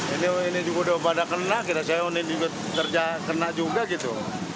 ini juga sudah pada kena saya juga terkena juga gitu